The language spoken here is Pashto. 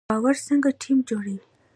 باور څنګه ټیم جوړوي؟